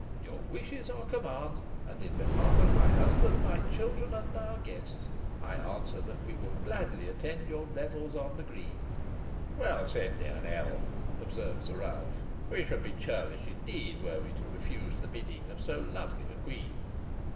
Your wishes are commands; and, in behalf of my husband, my children, and our guests, I answer, that we will gladly attend your revels on the green." "Well said, dear Nell," observed Sir Ralph. "We should be churlish, indeed, were we to refuse the bidding of so lovely a queen."